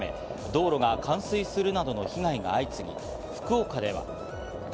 道路が冠水するなどの被害が相次ぎ、福岡では。